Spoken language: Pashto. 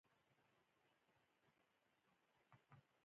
ازادي راډیو د ترانسپورټ په اړه رښتیني معلومات شریک کړي.